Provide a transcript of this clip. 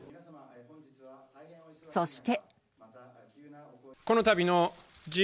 そして。